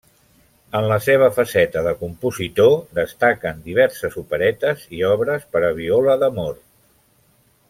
En la seva faceta de compositor destaquen diverses operetes i obres per a viola d'amor.